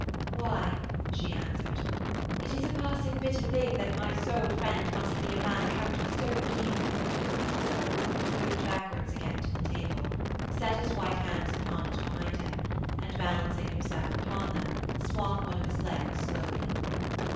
'Why,' she answered, 'it is a passing bitter thing that my sole friend must be a man accounted so evil.' He moved backwards again to the table; set his white hands upon it behind him, and balancing himself upon them swung one of his legs slowly.